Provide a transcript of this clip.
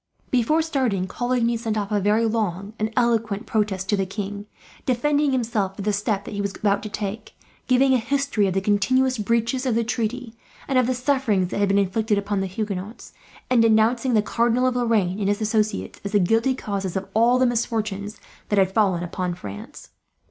Before starting, Coligny sent off a very long and eloquent protest to the king; defending himself for the step that he was about to take; giving a history of the continuous breaches of the treaty, and of the sufferings that had been inflicted upon the Huguenots; and denouncing the Cardinal of Lorraine and his associates, as the guilty causes of all the misfortunes that had fallen upon France.